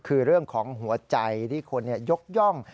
คือเรื่องของหัวใจที่คนยกย่อง